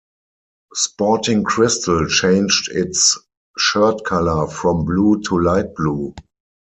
Sporting Cristal changed its shirt color from blue to light blue.